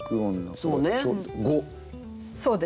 そうです。